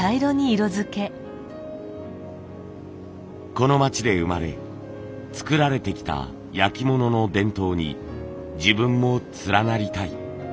この町で生まれ作られてきた焼き物の伝統に自分も連なりたい。